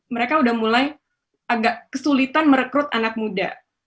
mereka udah mulai agak kesulitan merekrut anak muda